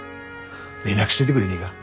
連絡しといでくれねえが？